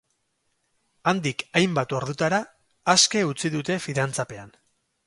Handik hainbat ordutara aske utzi dute fidantzapean.